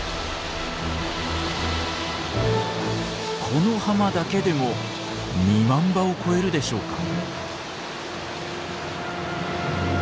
この浜だけでも２万羽を超えるでしょうか。